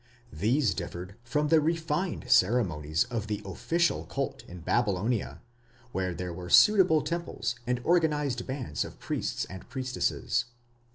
These differed from the refined ceremonies of the official cult in Babylonia, where there were suitable temples and organized bands of priests and priestesses.